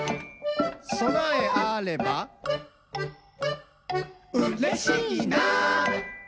「そなえあればうれしいな！」